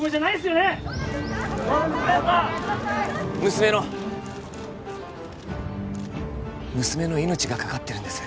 娘の娘の命がかかってるんです